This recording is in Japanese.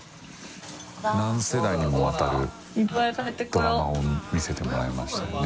何世代にも渡るドラマを見せてもらいましたよね。